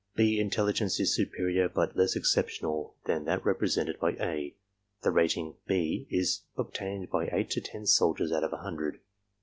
"B" intelligence is superior, but less exceptional than that represented by "A." The rating "B " is obtained by eight to ten soldiers out of a hundred.